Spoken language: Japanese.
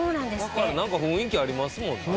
何か雰囲気ありますもんね。